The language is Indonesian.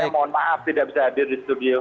mohon maaf tidak bisa hadir di studio